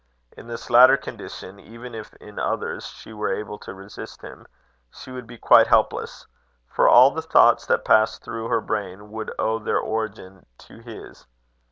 In this latter condition, even if in others she were able to resist him, she would be quite helpless; for all the thoughts that passed through her brain would owe their origin to his.